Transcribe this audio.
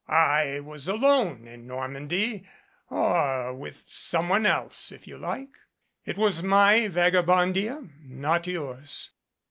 I was alone in Normandy or with someone else, if you like. It was my Vagabondia not yours.